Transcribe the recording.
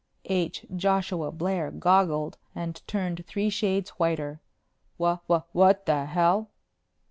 H. Joshua Blair goggled and turned three shades whiter. "Wha wha what the hell!"